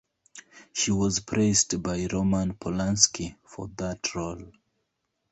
She was praised by Roman Polanski for that role.